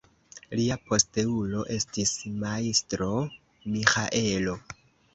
Lia posteulo estis Majstro Miĥaelo.